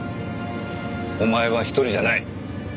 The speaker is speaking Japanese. お前は一人じゃない。